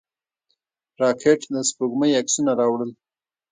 راکټ د سپوږمۍ عکسونه راوړل